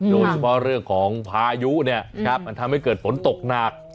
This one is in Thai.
โดยเฉพาะเรื่องของพายุเนี่ยมันทำให้เกิดฝนตกหนัก